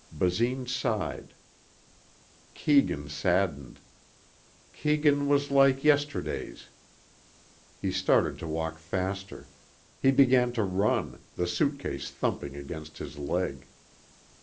Basine sighed. Keegan saddened. Keegan was like yesterdays. He started to walk faster. He began to run, the suitcase thumping against his leg.